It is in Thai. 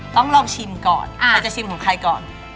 ต้องลองชิมก่อนใครจะชิมของใครก่อน